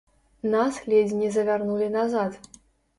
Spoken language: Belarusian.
Нас ледзь не завярнулі назад.